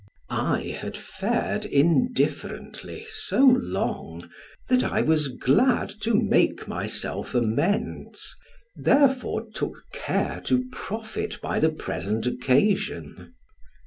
I had fared indifferently so long, that I was glad to make myself amends, therefore took care to profit by the present occasion.